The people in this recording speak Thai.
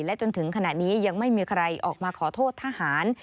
จนถึงขณะนี้ยังไม่มีใครออกมาขอโทษทหาร